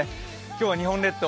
今日は日本列島